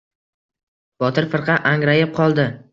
Botir firqa angrayib qoldi.